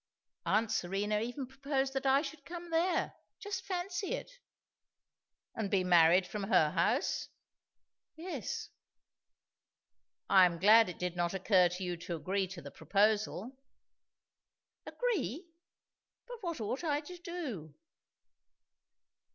Aunt Serena even proposed that I should come there just fancy it!" "And be married from her house?" "Yes." "I am glad it did not occur to you to agree to the proposal." "Agree! But what ought I to do?"